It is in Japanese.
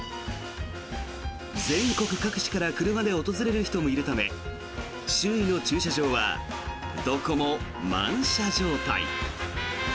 全国各地から車で訪れる人もいるため周囲の駐車場はどこも満車状態。